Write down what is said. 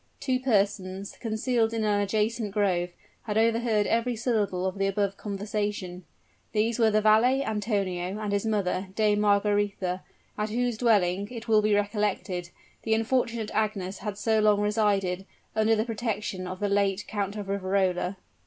Two persons, concealed in an adjacent grove, had overheard every syllable of the above conversation. These were the valet Antonio, and his mother, Dame Margaretha, at whose dwelling, it will be recollected, the unfortunate Agnes had so long resided, under the protection of the late Count of Riverola.